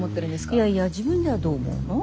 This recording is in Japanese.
いやいや自分ではどう思うの？